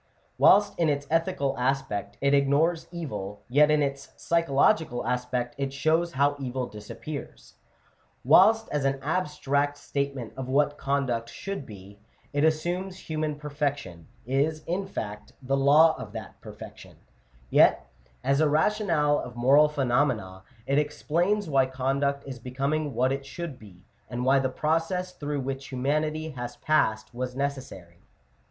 Whilst in its ethical aspect it ignores evil, yet in its psychological aspect it shows how evil disappears. Whilst, as an abstract statement of what conduct should be, it assumes human perfection — is, in fact, the law of that perfection — yet, as a rationale of moral phenomena, it explains why conduct is becoming what it should be, and why the process through which humanity has passed was necessary.